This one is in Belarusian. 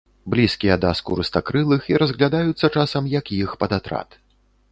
Блізкія да скурыстакрылых і разглядаюцца часам як іх падатрад.